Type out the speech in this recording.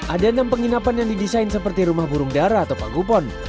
ada enam penginapan yang didesain seperti rumah burung darah atau pagupon